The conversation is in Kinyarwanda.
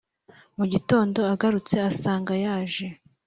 mu gitondo agarutse, asanga yaje